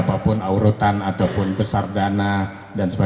nanti kita juga mendebat